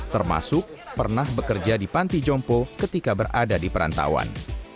termasuk pernah bekerja di panti jompo ketika berada di perantauan